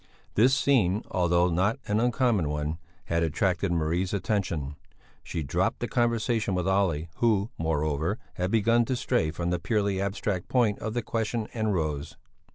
This scene, although not an uncommon one, had attracted Marie's attention. She dropped the conversation with Olle, who, moreover, had begun to stray from the purely abstract point of the question and rose.